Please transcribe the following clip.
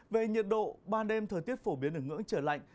về nhiệt độ ban đêm thời tiết phổ biến ở ngưỡng trời lạnh